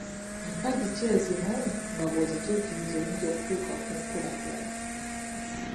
Mpagi ki ezimu nga bw'ozituukiriza oyinza okutuuka ku nkulaakulana?